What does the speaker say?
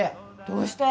どうして？